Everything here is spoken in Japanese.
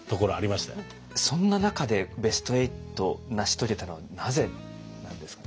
そんな中でベスト８を成し遂げたのはなぜなんですか？